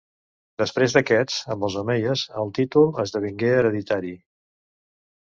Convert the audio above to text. Després d'aquests, amb els omeies, el títol esdevingué hereditari.